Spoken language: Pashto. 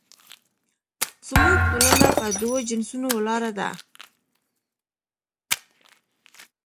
زموږ ټولنه په دوو جنسونو ولاړه ده